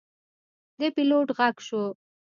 د پیلوټ غږ شو.